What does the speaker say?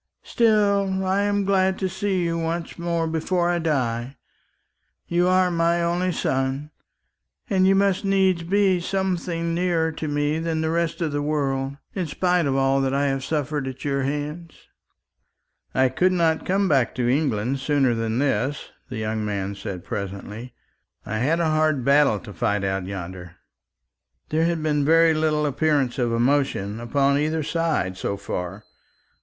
Still, I am glad to see you once more before I die. You are my only son, and you must needs be something nearer to me than the rest of the world, in spite of all that I have suffered at your hands." "I could not come back to England sooner than this," the young man said presently. "I had a hard battle to fight out yonder." There had been very little appearance of emotion upon either side so far.